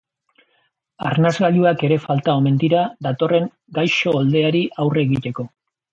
Arnasgailuak ere falta omen dira, datorren gaixo oldeari aurre egiteko.